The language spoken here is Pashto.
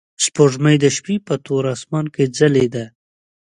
سپوږمۍ د شپې په تور اسمان کې ځلېده.